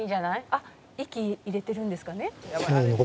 「あっ息入れてるんですかね？」